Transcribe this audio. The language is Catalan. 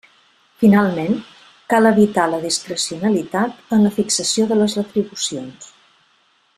Finalment, cal evitar la discrecionalitat en la fixació de les retribucions.